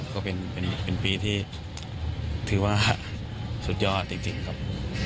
ก็เป็นปีที่ถือว่าสุดยอดจริงครับ